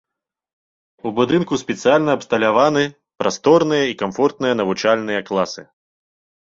У будынку спецыяльна абсталяваны прасторныя і камфортныя навучальныя класы.